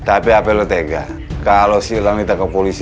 tapi apalagi kalau kita ke polisi